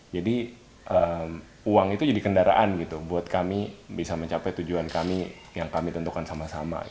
jadi uang itu jadi kendaraan buat kami bisa mencapai tujuan kami yang kami tentukan sama sama